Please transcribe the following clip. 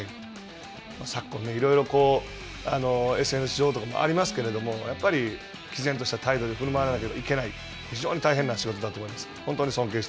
昨今、いろいろＳＮＳとかありますけれども、やっぱり、きぜんとした態度でふるまわなければいけない、非常に大変な仕事だと思います。